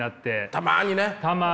たまにね。